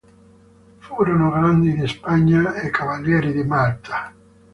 Furono Grandi di Spagna e Cavalieri di Malta.